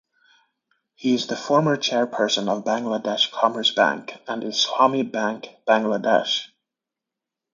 He is the former chairperson of Bangladesh Commerce Bank and Islami Bank Bangladesh.